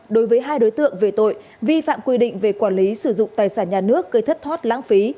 đối với hai đối tượng về tội vi phạm quy định về quản lý sử dụng tài sản nhà nước gây thất thoát lãng phí